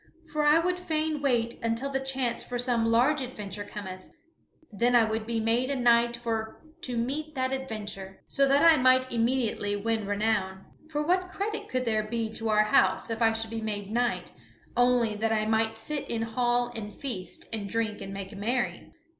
For I would fain wait until the chance for some large adventure cometh; then I would be made a knight for to meet that adventure, so that I might immediately win renown. For what credit could there be to our house if I should be made knight, only that I might sit in hall and feast and drink and make merry?"